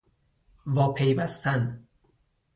واپیوستن